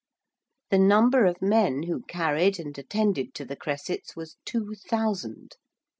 The number of men who carried and attended to the cressets was two thousand.